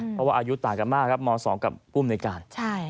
เพราะว่าอายุต่างกันมากครับม๒กับผู้อำนวยการ